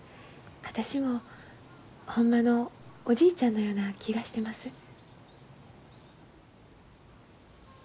私もほんまのおじいちゃんのような気がしてます。